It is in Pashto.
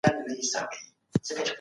هغه حدود اوشرطونه دادي.